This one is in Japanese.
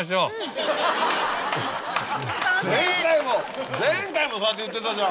前回も前回もそうやって言ってたじゃん！